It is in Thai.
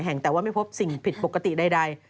แห่งแต่ว่าไม่พบสิ่งผิดปกติใด